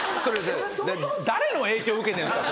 誰の影響受けてるんですか？